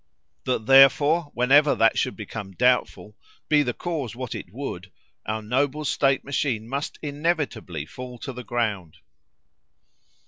That, therefore, whenever that should become doubtful, be the cause what it would, our noble state machine must inevitably fall to the ground."